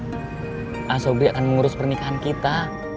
nah sobri akan mengurus pernikahan kita